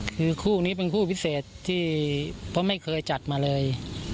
คือคู่นี้เป็นคู่พิเศษที่เพราะไม่เคยจัดมาเลย